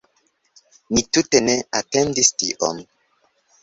Ni tute ne atendis tion